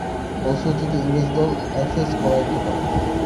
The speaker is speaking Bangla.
ফলশ্রুতিতে ইংরেজ দল অ্যাশেজ করায়ত্ত্ব করে।